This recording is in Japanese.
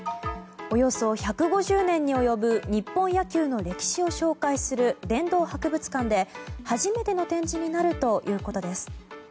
およそ１５０年に及ぶ日本野球の歴史を紹介する殿堂博物館で初めての展示になるということです。